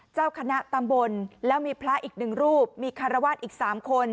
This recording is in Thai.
เจ้าคณะตำบลแล้วมีพระอีกหนึ่งรูปมีคารวาสอีก๓คน